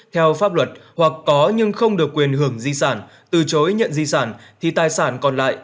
theo pháp luật hoặc có nhưng không được quyền hưởng di sản từ chối nhận di sản thì tài sản còn lại